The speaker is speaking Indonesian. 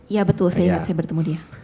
iya betul saya ingat saya bertemu dia